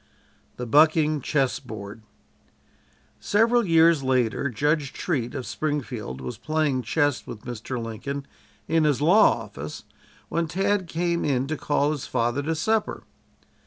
THE "BUCKING" CHESS BOARD Several years later Judge Treat, of Springfield was playing chess with Mr. Lincoln in his law office when Tad came in to call his father to supper.